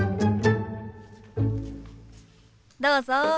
どうぞ。